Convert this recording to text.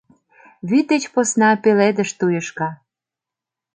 Вӱд деч посна пеледыш туешка